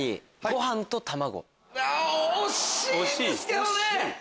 ご飯と卵。